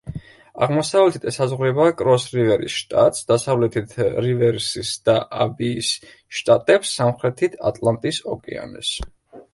აღმოსავლეთით ესაზღვრება კროს-რივერის შტატს, დასავლეთით რივერსის და აბიის შტატებს, სამხრეთით ატლანტის ოკეანეს.